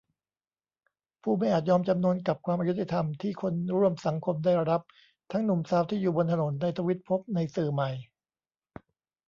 ผู้ไม่อาจยอมจำนนกับความอยุติธรรมที่คนร่วมสังคมได้รับ ทั้งหนุ่มสาวที่อยู่บนถนน ในทวิตภพ ในสื่อใหม่